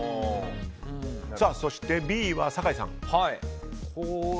そして、Ｂは酒井さん。